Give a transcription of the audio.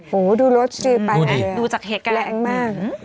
โหดูรถสิไปนะดูจากเหตุการณ์แรงมาก